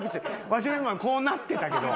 わしも今こうなってたけど。